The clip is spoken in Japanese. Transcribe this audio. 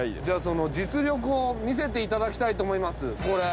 じゃあその実力を見せて頂きたいと思います。